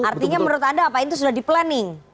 artinya menurut anda apa itu sudah di planning